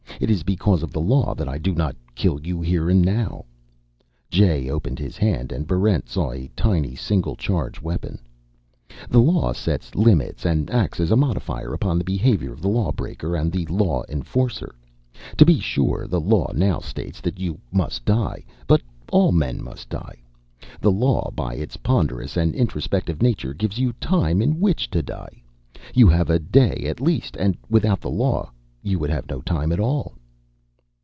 It is because of the law that I do not kill you here and now." Jay opened his hand, and Barrent saw a tiny single charge weapon. "The law sets limits, and acts as a modifier upon the behavior of the lawbreaker and the law enforcer. To be sure, the law now states that you must die. But all men must die. The law, by its ponderous and introspective nature, gives you time in which to die. You have a day at least; and without the law, you would have no time at all."